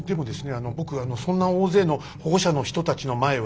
あの僕あのそんな大勢の保護者の人たちの前は。